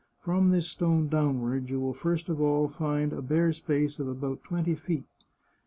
From this stone downward you will first of all find a bare space of about twenty feet.